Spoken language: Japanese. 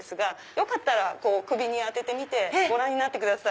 よかったら首に当ててみてご覧になってください。